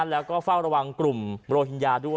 แล้วก็เฝ้าระวังกลุ่มโรฮิงญาด้วย